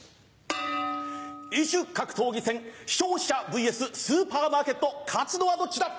異種格闘技戦商社ｖｓスーパーマーケット勝つのはどっちだ？